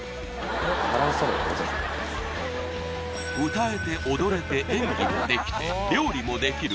歌えて踊れて演技もできて料理もできる